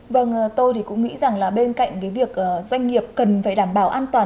vâng tôi cũng nghĩ rằng bên cạnh việc doanh nghiệp cần phải đảm bảo an toàn